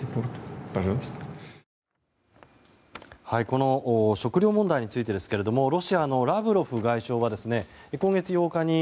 この食料問題についてロシアのラブロフ外相は今月８日に